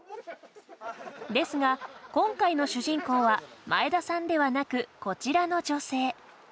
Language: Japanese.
ですが今回の主人公は前田さんではなくこちらの女性。